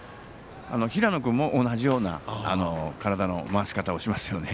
平野君も同じような体の回し方をしますよね。